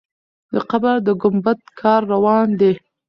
د قبر د ګمبد کار روان دی.